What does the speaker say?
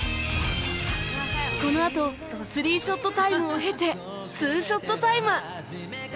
このあと３ショットタイムを経て２ショットタイム！